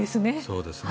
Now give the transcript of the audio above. そうですね。